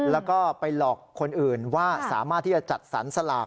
แล้วก็ไปหลอกคนอื่นว่าสามารถที่จะจัดสรรสลาก